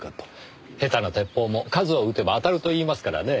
下手な鉄砲も数を撃てば当たると言いますからね。